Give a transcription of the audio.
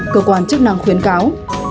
cơ quan chức năng khuyến cáo